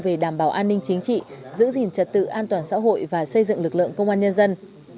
về đảm bảo an ninh chính trị giữ gìn trật tự an toàn xã hội và xây dựng lực lượng công an nhân dân